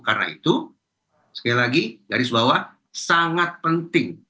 karena itu sekali lagi dari sebab bahwa sangat penting